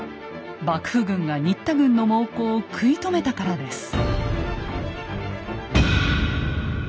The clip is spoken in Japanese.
幕府軍が新田軍の猛攻を食い止めたからです。